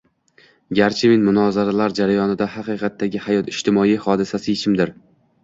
Garchi men, munozaralar jarayonida “Haqiqatdagi hayot” ijtimoiy hodisasi yechimdir